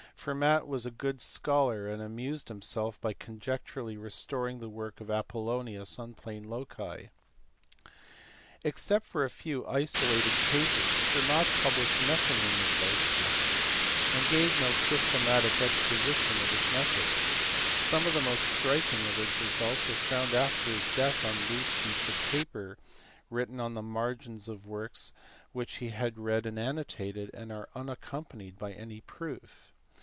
Fermat was a good scholar and amused himself by conjecturally restoring the work of Apollonius on plane loci. Except a few isolated papers Fermat published nothing in his lifetime, and gave no systematic exposition of his methods. Some of the most striking of his results were found after his death on loose sheets of paper or written in the margins of works which he had read and annotated, and are unaccompanied by any proof.